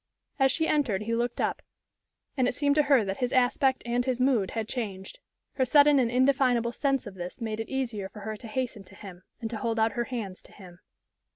As she entered he looked up, and it seemed to her that his aspect and his mood had changed. Her sudden and indefinable sense of this made it easier for her to hasten to him, and to hold out her hands to him.